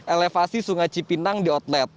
elevasi sungai cipinang di outlet